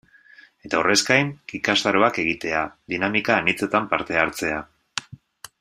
Eta horrez gain ikastaroak egitea, dinamika anitzetan parte hartzea...